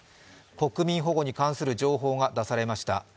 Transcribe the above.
国民保護に関する情報が出されました。